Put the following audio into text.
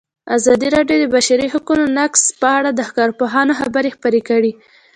ازادي راډیو د د بشري حقونو نقض په اړه د کارپوهانو خبرې خپرې کړي.